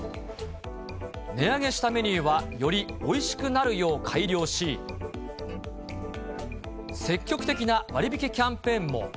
値上げしたメニューは、よりおいしくなるよう改良し、積極的な割引キャンペーンも。